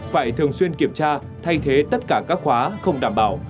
phải thường xuyên kiểm tra thay thế tất cả các khóa không đảm bảo